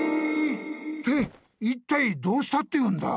っていったいどうしたっていうんだ？